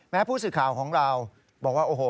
ผู้สื่อข่าวของเราบอกว่าโอ้โห